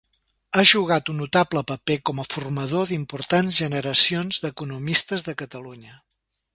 Ha jugat un notable paper com a formador d'importants generacions d'economistes de Catalunya.